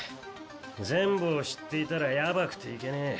全部を知っていたらやばくていけねぇ。